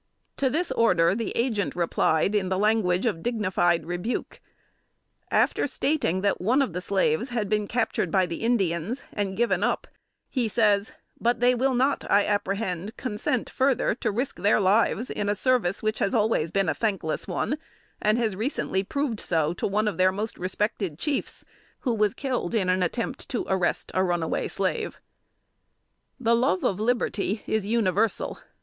To this order the Agent replied in the language of dignified rebuke. After stating that one of the slaves had been captured by the Indians, and given up, he says: "but they will not, I apprehend, consent further to risk their lives in a service which has always been a thankless one, and has recently proved so to one of their most respected chiefs, who was killed in an attempt to arrest a runaway slave." The love of liberty is universal.